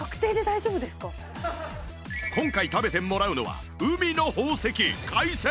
今回食べてもらうのは海の宝石海鮮丼